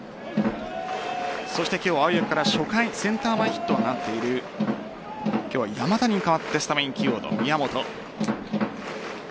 今日は青柳から初回センター前ヒットを放っている今日は山田に代わってスタメン起用の宮本。